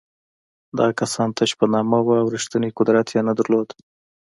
دغه کسان تش په نامه وو او رښتینی قدرت یې نه درلود.